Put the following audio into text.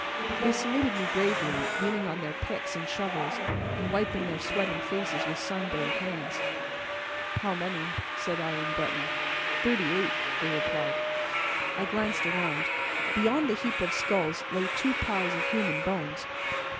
They saluted me gravely, leaning on their picks and shovels, and wiping their sweating faces with sunburned hands. "How many?" said I in Breton. "Thirty eight," they replied. I glanced around. Beyond the heap of skulls lay two piles of human bones.